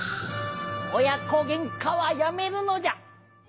おや子げんかはやめるのじゃ！